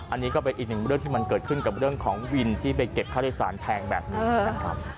อันนี้ก็เป็นอีกหนึ่งเรื่องที่มันเกิดขึ้นกับเรื่องของวินที่ไปเก็บค่าโดยสารแพงแบบนี้นะครับ